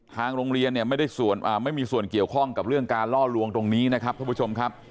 ทางโรงเรียนเนี่ยไม่มีส่วนเกี่ยวข้องกับเรื่องการล่อลวงตรงนี้นะครับท่านผู้ชมครับ